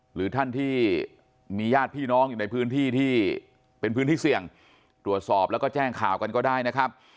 หรือท่านที่มีญาติพี่น้องอยู่ในพื้นที่ที่เป็นพื้นที่เสี่ยงตรวจสอบแล้วก็แจ้งข่าวกันก็ได้นะครับ